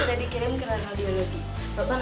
anta di minum ya pak apa ambil obatnya